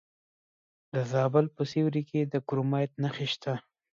د زابل په سیوري کې د کرومایټ نښې شته.